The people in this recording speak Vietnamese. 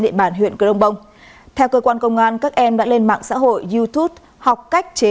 địa bàn huyện cờ rông bông theo cơ quan công an các em đã lên mạng xã hội youtube học cách chế